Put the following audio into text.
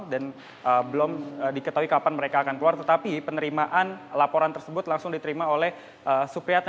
dan belum diketahui kapan mereka akan keluar tetapi penerimaan laporan tersebut langsung diterima oleh supriyata